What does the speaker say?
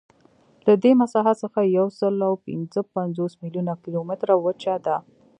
له دې مساحت څخه یوسلاوهپینځهپنځوس میلیونه کیلومتره وچه ده.